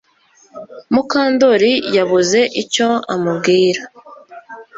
Mukandoli yabuze icyo amubwira